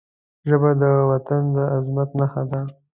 ژبه د وطن د عظمت نښه ده